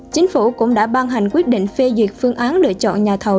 chính phủ cũng đã ban hành quyết định phê duyệt phương án lựa chọn nhà thầu